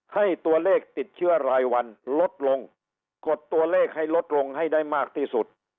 ให้ตัวเลขติดเชื้อรายวันลดลงกดตัวเลขให้ลดลงให้ได้มากที่สุด